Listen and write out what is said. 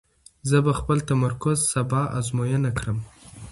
زه به خپل تمرکز سبا ازموینه کړم.